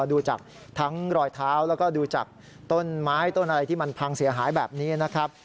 ดูจากทั้งรอยเท้าแล้วก็ดูจากต้นไม้ต้นอะไรที่มันพังเสียหายแบบนี้นะครับ